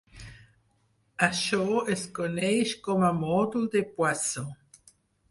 Això es coneix com a mòdul de Poisson.